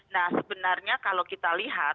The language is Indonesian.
nah sebenarnya kalau kita lihat